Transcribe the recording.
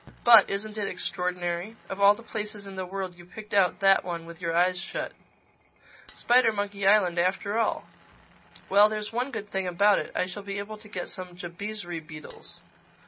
But isn't it extraordinary? Of all the places in the world you picked out that one with your eyes shut. Spidermonkey Island after all!—Well, there's one good thing about it: I shall be able to get some Jabizri beetles."